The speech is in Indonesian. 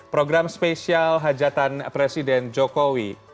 program spesial hajatan presiden jokowi